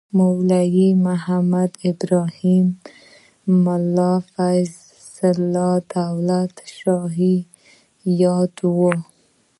مولوي محمد ابراهیم او ملا فیض الله دولت شاهي یادوو.